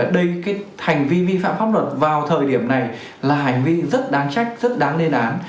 đây cái hành vi vi phạm pháp luật vào thời điểm này là hành vi rất đáng trách rất đáng lên án